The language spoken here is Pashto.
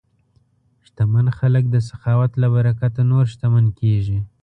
شتمن خلک د سخاوت له برکته نور شتمن کېږي.